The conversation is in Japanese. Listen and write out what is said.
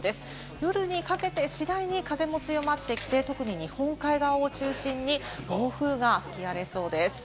夜にかけて次第に風も強まってきて、特に日本海側を中心に暴風が吹き荒れそうです。